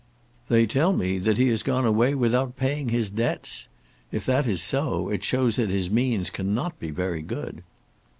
"They tell me that he has gone away without paying his debts. If that is so, it shows that his means cannot be very good."